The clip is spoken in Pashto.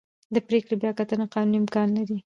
د پرېکړې بیاکتنه قانوني امکان لري.